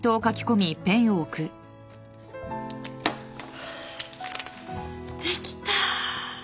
はぁできた。